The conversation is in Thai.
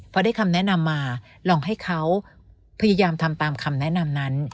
พอได้คำแนะนำมาลองให้เขาพยายามทำตามคำแนะนำนั้น